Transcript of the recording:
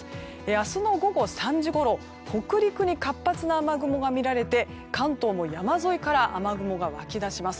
明日の午後３時ごろ北陸に活発な雨雲が見られて関東も山沿いから雨雲が湧き出します。